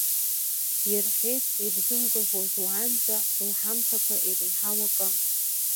Ирҳәеит ирзымгәаӷьуаз уаанӡа, лҳамҭақәа иреиҳау акы.